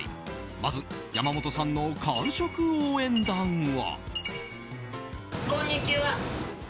まず、山本さんの完食応援団は？